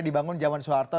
dibangun zaman soeharto